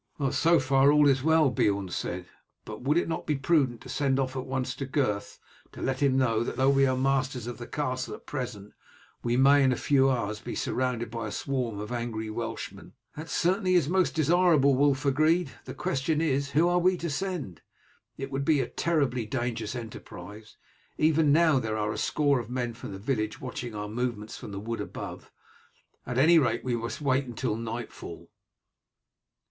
"So far all is well," Beorn said, "but would it not be prudent to send off at once to Gurth, to let him know that though we are masters of the castle at present, we may in a few hours be surrounded by a swarm of angry Welshmen?" "That certainly is most desirable," Wulf agreed. "The question is, who are we to send? It would be a terribly dangerous enterprise. Even now there are a score of men from the village watching our movements from the wood above. At any rate we must wait until nightfall."